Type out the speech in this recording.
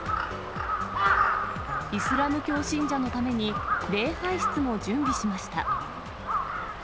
イスラム教信者のために、礼拝室も準備しました。